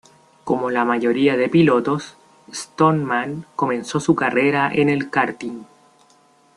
Como la mayoría de pilotos, Stoneman comenzó su carrera en el karting.